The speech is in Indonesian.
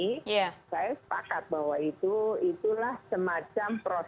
kalau nella dengan nilai nilai kim betul betul di pecahkan oleh mu'i atau mendaftar menjadi bagian dari mu'i